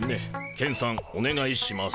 ケンさんおねがいします。